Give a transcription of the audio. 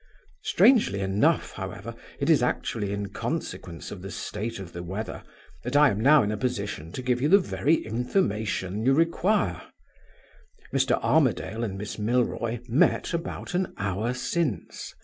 Strangely enough, however, it is actually in consequence of the state of the weather that I am now in a position to give you the very information you require. Mr. Armadale and Miss Milroy met about an hour since.